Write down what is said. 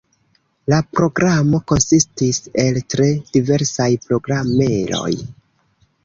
La programo konsistis el tre diversaj programeroj.